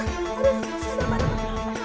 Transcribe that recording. aduh duduk wajah